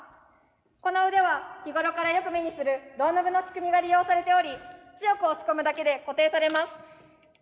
この腕は日頃からよく目にするドアノブの仕組みが利用されており強く押し込むだけで固定されます。